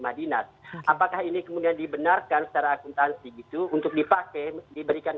mana ada kursi putura